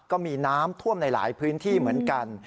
ก็มีน้ำท่วมในหลายพื้นที่เหมือนกัน